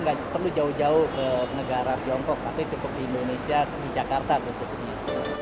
nggak perlu jauh jauh ke negara tiongkok tapi cukup di indonesia di jakarta khususnya